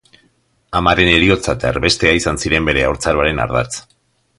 Amaren heriotza eta erbestea izan ziren bere haurtzaroaren ardatz.